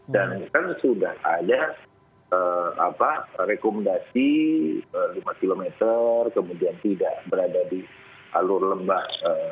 dan kan sudah ada rekomendasi lima km kemudian tidak berada di alur lembah